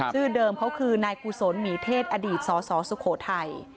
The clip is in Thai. ชื่อเดิมเขาคือนายกุศลหมีเทศอดีตสสสุโขทัย